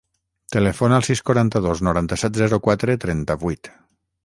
Telefona al sis, quaranta-dos, noranta-set, zero, quatre, trenta-vuit.